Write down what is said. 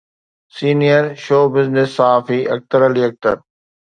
senior show business صحافي اختر علي اختر